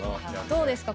どうですか？